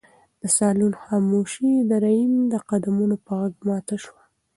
د صالون خاموشي د رحیم د قدمونو په غږ ماته شوه.